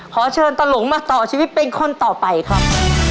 ขอเชิญตะหลงมาต่อชีวิตเป็นคนต่อไปครับ